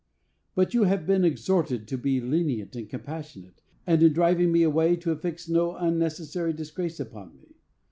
"But you have been exhorted to be lenient and compassionate, and in driving me away to affix no unnecessary disgrace upon me.